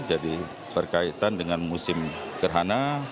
jadi berkaitan dengan musim gerhana